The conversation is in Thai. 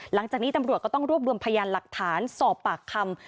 หลังจากนี้ตำรวจก็ต้องรวบรวมพยานหลักฐานสอบปากคำ